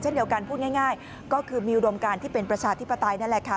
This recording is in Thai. เช่นเดียวกันพูดง่ายก็คือมีอุดมการที่เป็นประชาธิปไตยนั่นแหละค่ะ